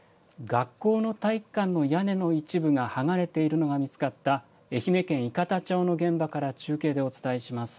学校の体育館の屋根の一部が剥がれているのが見つかった、愛媛県伊方町の現場から中継でお伝えします。